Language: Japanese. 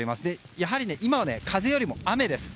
やはり今は、風よりも雨です。